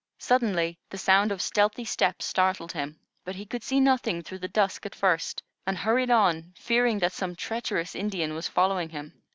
Suddenly, the sound of stealthy steps startled him, but he could see nothing through the dusk at first, and hurried on, fearing that some treacherous Indian was following him.